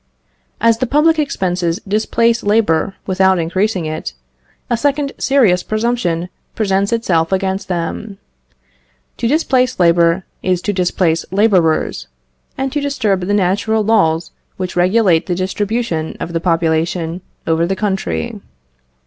As the public expenses displace labour without increasing it, a second serious presumption presents itself against them. To displace labour is to displace labourers, and to disturb the natural laws which regulate the distribution of the population over the country.